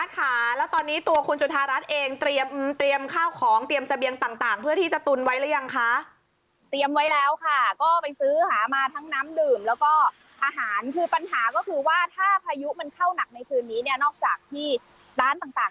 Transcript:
ก็จะเกิดกระแสไฟฟ้าดับรวมทั้งมีน้ำท่วมสับพันธุ์ด้วยนะคะ